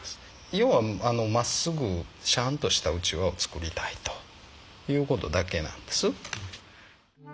要はまっすぐしゃんとしたうちわを作りたいという事だけなんです。